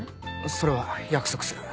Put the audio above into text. それは約束する。